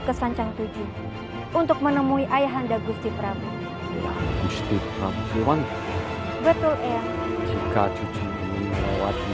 ke sanjang tujuh untuk menemui ayah anda gusti prabu gusti prabu siwanto betul jika cucu melewati